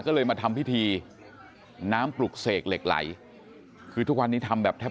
ก็เลยมาทำพิธีน้ำปลุกเสกเหล็กไหลคือทุกวันนี้ทำแบบแทบ